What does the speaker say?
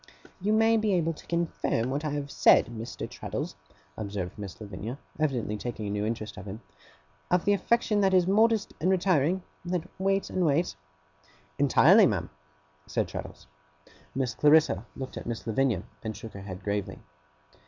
'You may be able to confirm what I have said, Mr. Traddles,' observed Miss Lavinia, evidently taking a new interest in him, 'of the affection that is modest and retiring; that waits and waits?' 'Entirely, ma'am,' said Traddles. Miss Clarissa looked at Miss Lavinia, and shook her head gravely.